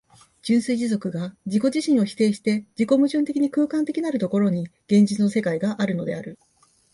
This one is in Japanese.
純粋持続が自己自身を否定して自己矛盾的に空間的なる所に、現実の世界があるのである。